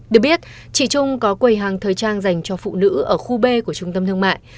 được biết chị trung có quầy hàng thời trang dành cho phụ nữ ở khu b của trung tâm thương mại